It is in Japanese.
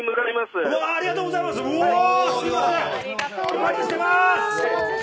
お待ちしてまーす！